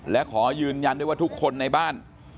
และขอยืนยันด้วยว่าทุกคนในบ้าน